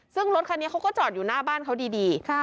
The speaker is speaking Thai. ซึ่งรถคันนี้เขาก็จอดอยู่หน้าบ้านเขาดี